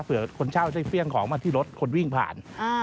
คนเช่าได้เฟี่ยงของมาที่รถคนวิ่งผ่าน